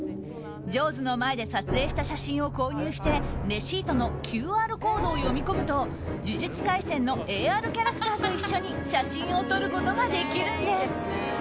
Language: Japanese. ジョーズの前で撮影した写真を購入してレシートのＱＲコードを読み込むと「呪術廻戦」のＡＲキャラクターと一緒に写真を撮ることができるんです。